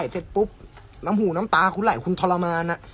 เสร็จปุ๊บน้ำหูน้ำตาคุณไหลคุณทรมาน